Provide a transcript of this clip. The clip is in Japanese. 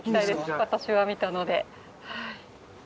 私は見たので。